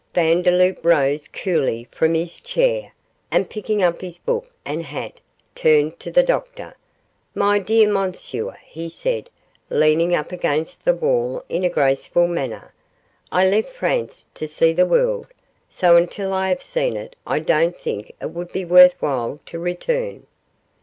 Vandeloup rose coolly from his chair, and, picking up his book and hat, turned to the doctor. 'My dear Monsieur,' he said, leaning up against the wall in a graceful manner, 'I left France to see the world, so until I have seen it I don't think it would be worthwhile to return.